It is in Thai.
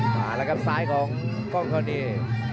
มาแล้วกับสายของกรรมทรณี